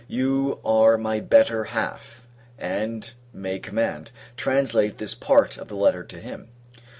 You are my better half, and may command. Translate this part of the letter to him.